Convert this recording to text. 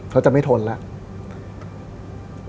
เขาจะไม่ทนแล้ว